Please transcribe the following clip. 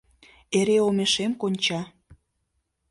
Эре омешем конча